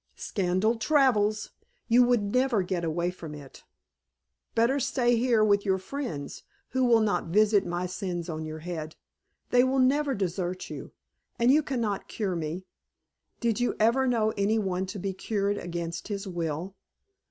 "Scandal travels. You would never get away from it. Better stay here with your friends, who will not visit my sins on your head. They will never desert you. And you cannot cure me. Did you ever know any one to be cured against his will?"